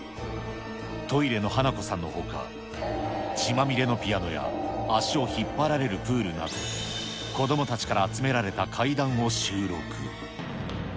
トイレの花子さんのほか、血まみれのピアノや足を引っ張られるプールなど、子どもたちから集められた怪談を収録。